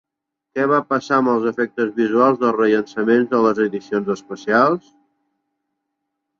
Què va passar amb els efectes visuals dels rellançaments de les edicions especials?